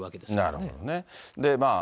なるほどね。